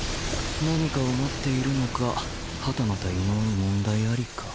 何かを待っているのかはたまた異能に問題アリか。